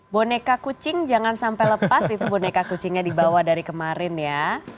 boneka kucing jangan sampai lepas itu boneka kucingnya dibawa dari kemarin ya